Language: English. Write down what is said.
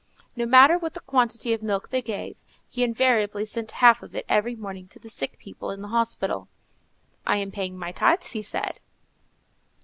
No matter what the quantity of milk they gave, he invariably sent half of it every morning to the sick people in the hospital. "I am paying my tithes," he said.